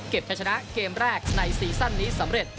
เก็บใช้ชนะเกมแรกในซีซั่นนี้สำเร็จ